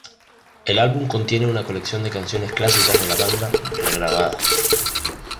El álbum contiene una colección de canciones clásicas de la banda re-grabadas.